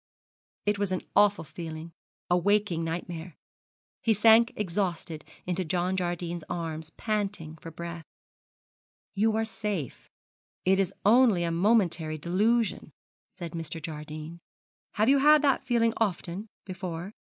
It was an awful feeling, a waking nightmare. He sank exhausted into John Jardine's arms, panting for breath. 'You are safe, it is only a momentary delusion,' said Mr. Jardine. 'Have you had that feeling often before?'